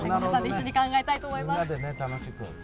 一緒に考えたいと思います。